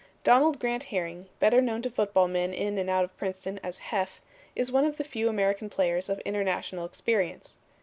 Donald Grant Herring, better known to football men in and out of Princeton as Heff, is one of the few American players of international experience.